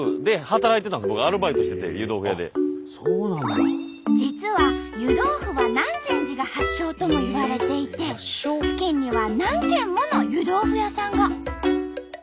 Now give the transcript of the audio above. ここね実は湯豆腐は南禅寺が発祥ともいわれていて付近には何軒もの湯豆腐屋さんが。